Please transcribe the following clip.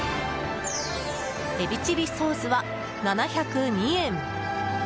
海老チリソースは７０２円。